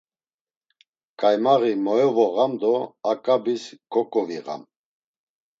Ǩaymaği moyovoğam do a ǩabis koǩoviğam.